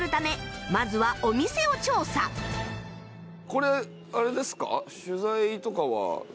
これあれですか？